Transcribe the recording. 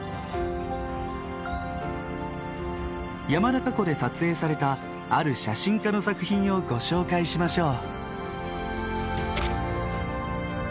山中湖で撮影されたある写真家の作品をご紹介しましょう。